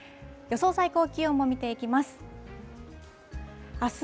予想最高気温も見ていきます。